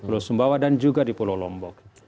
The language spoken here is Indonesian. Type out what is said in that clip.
pulau sumbawa dan juga di pulau lombok